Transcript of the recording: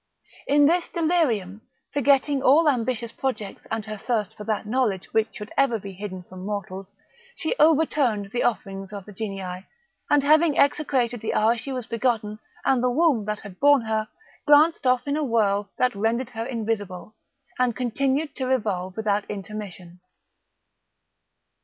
In this delirium, forgetting all ambitious projects and her thirst for that knowledge which should ever be hidden from mortals, she overturned the offerings of the Genii, and, having execrated the hour she was begotten and the womb that had borne her, glanced off in a whirl that rendered her invisible, and continued to revolve without intermission.